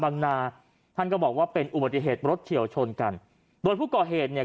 นาท่านก็บอกว่าเป็นอุบัติเหตุรถเฉียวชนกันโดยผู้ก่อเหตุเนี่ย